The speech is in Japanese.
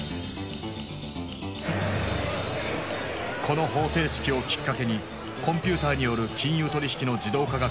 この方程式をきっかけにコンピューターによる金融取引の自動化が加速。